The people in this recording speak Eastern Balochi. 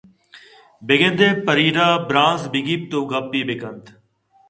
بہ گندے فریڈا برانّز بہ گپیتءُ گپے بہ کنت